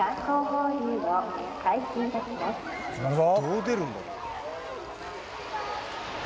始まるぞ。